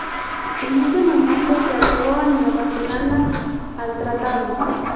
En ese momento se agregó a Nueva Zelanda al tratado.